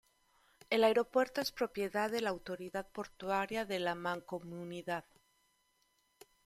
El aeropuerto es propiedad de la Autoridad Portuaria de la Mancomunidad.